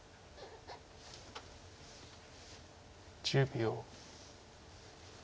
１０秒。